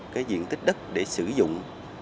cái diện tích đất để sử dụng